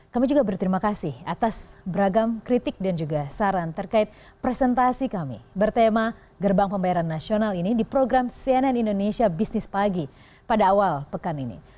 kami juga berterima kasih atas beragam kritik dan juga saran terkait presentasi kami bertema gerbang pembayaran nasional ini di program cnn indonesia bisnis pagi pada awal pekan ini